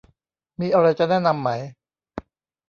มีอะไรจะแนะนำไหม